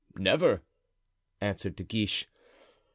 "Never," answered De Guiche.